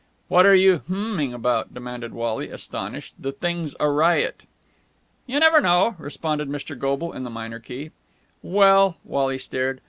"What are you h'ming about?" demanded Wally, astonished. "The thing's a riot." "You never know," responded Mr. Goble in the minor key. "Well!" Wally stared.